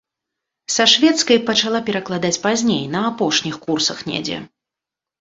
Са шведскай пачала перакладаць пазней, на апошніх курсах недзе.